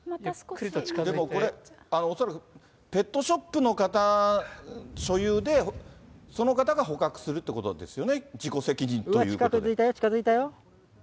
でもこれ、恐らく、ペットショップの方所有で、その方が捕獲するってことですよね、近づいたよ。